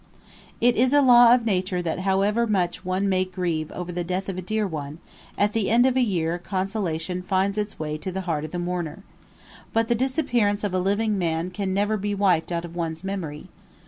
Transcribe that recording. It is a law of nature that however much one may grieve over the death of a dear one, at the end of a year consolation finds its way to the heart of the mourner. But the disappearance of a living man can never be wiped out of one's memory.